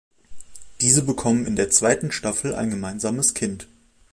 Diese bekommen in der zweiten Staffel ein gemeinsames Kind.